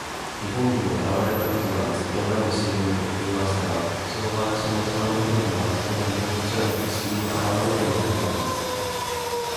日本にもあらわれたことが、ずっとまえの新聞にのっていましたが、そのお話のはじまるころには、それが日本の空に、しきりにあらわれるようになったのです。